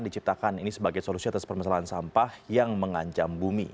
diciptakan ini sebagai solusi atas permasalahan sampah yang mengancam bumi